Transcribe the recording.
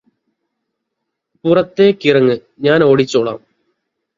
പുറത്തേക്കിറങ്ങ് ഞാന് ഓടിച്ചോളാം